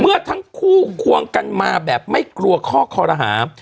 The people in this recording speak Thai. เมื่อทั้งคู่ควงกันมาแบบไม่กลัวข้อคอรหา